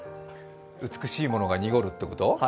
美しいものが濁るってこと。